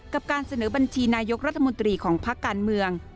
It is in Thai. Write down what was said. การเสนอบัญชีนายกรัฐมนตรีของพักการเมือง